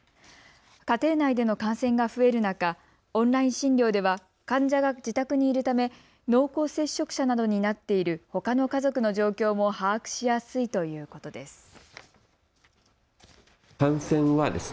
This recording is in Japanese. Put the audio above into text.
家庭内での感染が増える中、オンライン診療では患者が自宅にいるため濃厚接触者などになっているほかの家族の状況も把握しやすいということです。